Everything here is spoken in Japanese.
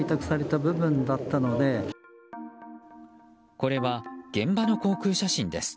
これは、現場の航空写真です。